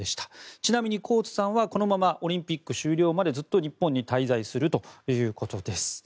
ちなみにコーツさんはこのままオリンピック終了まで日本に滞在するということです。